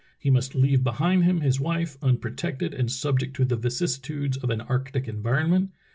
He must leave behind him his wife, unprotected and subject to the vicissitudes of an arctic environment.